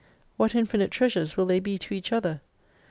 What infinite treasures will they be to each other